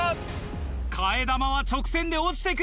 替え玉は直線で落ちて来る。